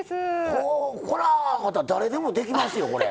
これはまた誰でもできますよこれ。